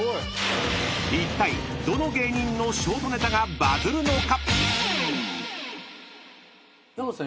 ［いったいどの芸人のショートネタがバズるのか］